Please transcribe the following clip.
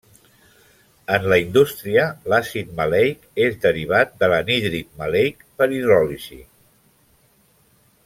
En la indústria, l'àcid maleic és derivat de l'anhídrid maleic per hidròlisi.